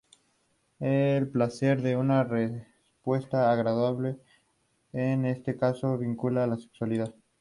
El placer es una respuesta agradable, en este caso vinculada a la sexualidad.